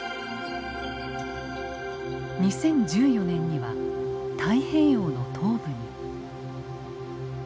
２０１４年には太平洋の東部に。